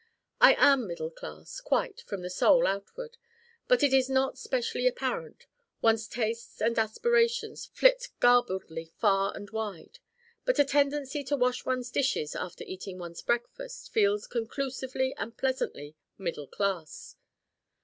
I am middle class, quite, from the Soul outward. But it is not specially apparent one's tastes and aspirations flit garbledly far and wide. But a tendency to wash one's dishes after eating one's breakfast feels conclusively and pleasantly middle class.